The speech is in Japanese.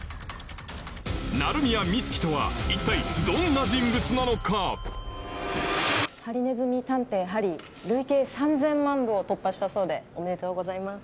鳴宮美月とは一体どんな人物なのか『ハリネズミ探偵・ハリー』累計３０００万部を突破したそうでおめでとうございます。